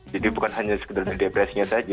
jadi bukan hanya sekedar di depresi